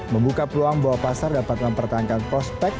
membuka peluang bahwa pasar dapat mempertahankan prospek